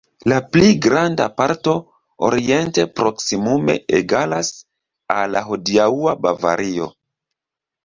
La pli granda parto, oriente, proksimume egalas al la hodiaŭa Bavario.